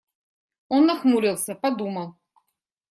Он нахмурился, подумал.